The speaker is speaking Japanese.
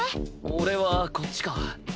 俺はこっちか。